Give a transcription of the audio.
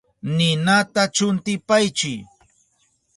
Ninata chuntipaychi.